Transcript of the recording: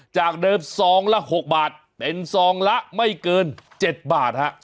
จากเดิม๒ละ๖บาทเป็น๒ละไม่เกิน๗บาท